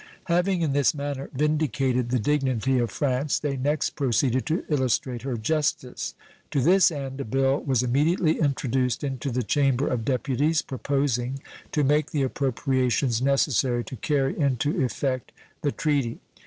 Having in this manner vindicated the dignity of France, they next proceeded to illustrate her justice. To this end a bill was immediately introduced into the Chamber of Deputies proposing to make the appropriations necessary to carry into effect the treaty.